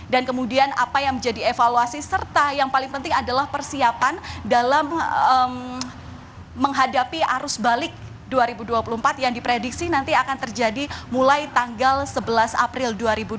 dan kemudian apa yang menjadi evaluasi serta yang paling penting adalah persiapan dalam menghadapi arus balik dua ribu dua puluh empat yang diprediksi nanti akan terjadi mulai tanggal sebelas april dua ribu dua puluh empat